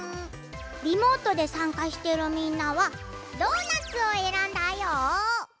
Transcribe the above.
リモートでさんかしてるみんなは「ドーナツ」をえらんだよ。